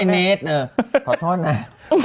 อ้อเงสขอโทษนะ